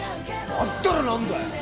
だったらなんだよ！